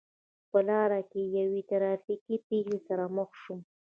په لار کې له یوې ترا فیکې پېښې سره مخ شوم.